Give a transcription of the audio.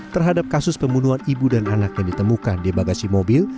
terhadap kasus pembunuhan ibu dan anak yang ditemukan di bagasi mobil